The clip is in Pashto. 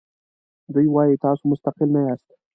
دوی وایي تاسو مستقل نه یاست.